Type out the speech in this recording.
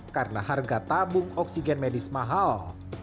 karena harga tabung oksigen medis mahal